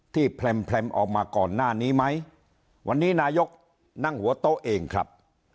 แพร่มแพร่มออกมาก่อนหน้านี้ไหมวันนี้นายกนั่งหัวโต๊ะเองครับ